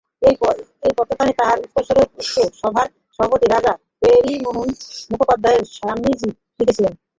এই পত্রখানি তাহার উত্তরস্বরূপ উক্ত সভার সভাপতি রাজা প্যারিমোহন মুখোপাধ্যায়কে স্বামীজী লিখিয়াছিলেন।